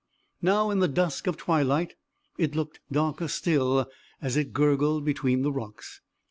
Now, in the dusk of twilight, it looked darker still as it gurgled between the rocks.